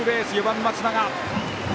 ４番、松永。